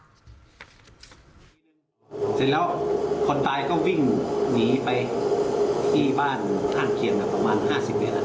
เสร็จแล้วคนตายก็วิ่งหนีไปที่บ้านท่านเคียงอ่ะประมาณห้าสิบเมตรอ่ะ